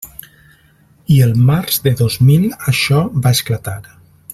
I el març de dos mil això va esclatar.